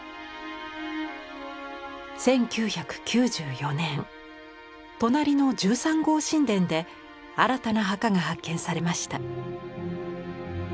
１９９４年隣の１３号神殿で新たな墓が発見されました。